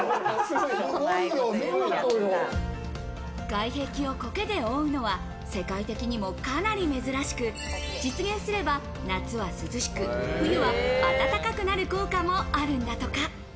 外壁をコケで覆うのは世界的にも、かなり珍しく、実現すれば、夏は涼しく、冬は暖かくなる効果もあるんだとか。